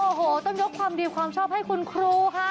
โอ้โหต้องยกความดีความชอบให้คุณครูค่ะ